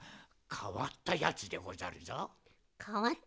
かわったやつでござるぞ。